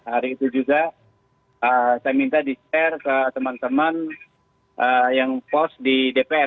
hari itu juga saya minta di share ke teman teman yang pos di dpr